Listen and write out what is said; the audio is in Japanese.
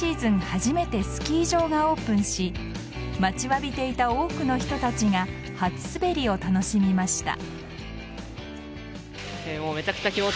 初めてスキー場がオープンし待ちわびていた多くの人たちが初滑りを楽しみました。